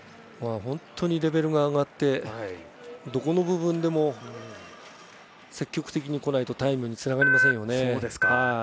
本当にレベルが上がってどこの部分でも積極的にこないとタイムにつながりませんよね。